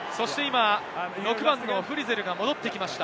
６番のフリゼルが戻ってきました。